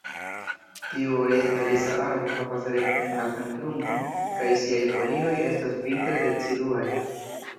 Tiu orientalisa arbo havas rektan altan trunkon kaj siaj folioj estas vintre deciduaj.